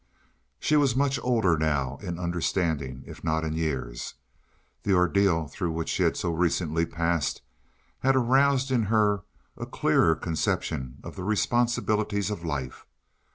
She was much older now, in understanding if not in years. The ordeal through which she had so recently passed had aroused in her a clearer conception of the responsibilities of life.